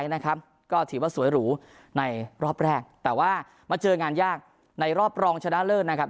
นะครับก็ถือว่าสวยหรูในรอบแรกแต่ว่ามาเจองานยากในรอบรองชนะเลิศนะครับ